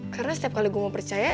karena setiap kali gue mau percaya